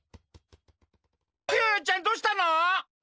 クヨヨちゃんどうしたの？